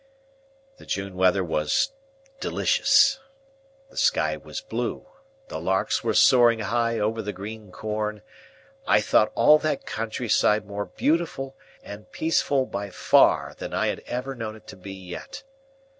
The June weather was delicious. The sky was blue, the larks were soaring high over the green corn, I thought all that countryside more beautiful and peaceful by far than I had ever known it to be yet.